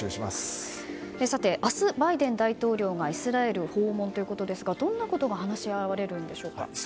さて、明日バイデン大統領がイスラエルを訪問ということですがどんなことが話し合われるんでしょうか。